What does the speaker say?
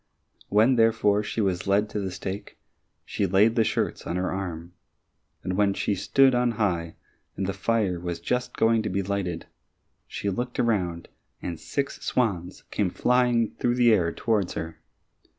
When, therefore, she was led to the stake, she laid the shirts on her arm, and when she stood on high and the fire was just going to be lighted, she looked around and six swans came flying through the air towards her.